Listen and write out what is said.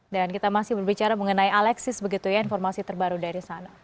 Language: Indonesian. dan kita masih berbicara mengenai alexis begitu ya informasi terbaru dari sana